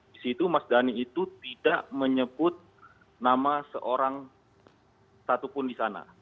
di situ mas dhani itu tidak menyebut nama seorang satupun di sana